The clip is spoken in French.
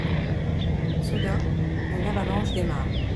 Soudain, une avalanche démarre.